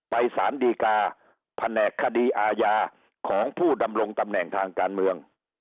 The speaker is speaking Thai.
สารดีกาแผนกคดีอาญาของผู้ดำรงตำแหน่งทางการเมือง